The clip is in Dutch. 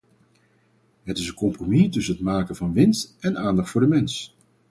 Het is een compromis tussen het maken van winst en aandacht voor de mens.